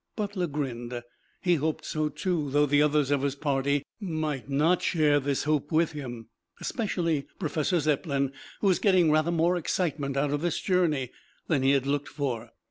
Butler grinned. He hoped so too, though the others of his party might not share this hope with him, especially Professor Zepplin who was getting rather more excitement out of this journey than he had looked for.